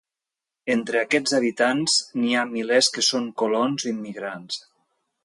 Entre aquests habitants, n'hi ha milers que són colons immigrants.